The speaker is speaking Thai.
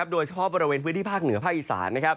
โดยเฉพาะบริเวณพื้นที่ภาคเหนือภาคอีสาน